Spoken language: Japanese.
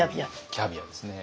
キャビアですね。